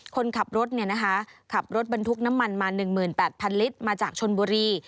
คนขับรถขับรถบรรทุกน้ำมันมา๑๘๐๐ลิตรมาจากชนบุรี